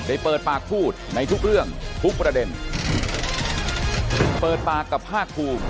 เปิดปากพูดในทุกเรื่องทุกประเด็นเปิดปากกับภาคภูมิ